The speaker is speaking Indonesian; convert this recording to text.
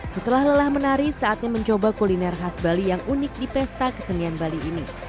setelah lelah menari saatnya mencoba kuliner khas bali yang unik di pesta kesenian bali ini